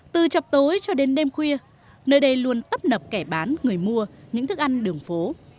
từ chập tối cho đến đêm khuya nơi đây luôn tấp nập kẻ bán người mua những thức ăn đường phố